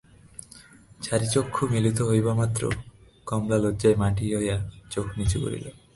চারি চক্ষু মিলিত হইবামাত্র কমলা লজ্জায় মাটি হইয়া চোখ নিচু করিল।